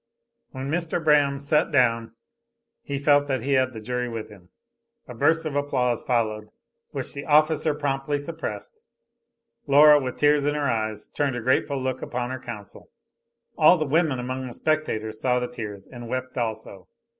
When Mr. Braham sat down, he felt that he had the jury with him. A burst of applause followed, which the officer promptly, suppressed. Laura, with tears in her eyes, turned a grateful look upon her counsel. All the women among the spectators saw the tears and wept also.